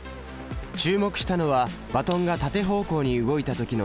注目したのはバトンが縦方向に動いた時のデータです。